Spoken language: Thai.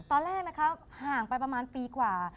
ตอนแรกนะคะห่างไปประมาณปีกว่า